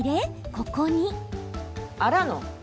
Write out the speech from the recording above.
ここに。